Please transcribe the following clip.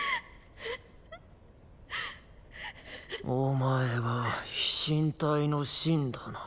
お前は飛信隊の信だな。